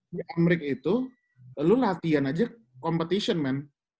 di amrik itu lu latihan aja kompetisi men